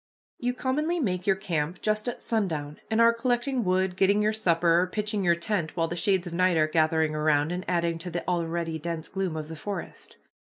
You commonly make your camp just at sundown, and are collecting wood, getting your supper, or pitching your tent while the shades of night are gathering around and adding to the already dense gloom of the forest.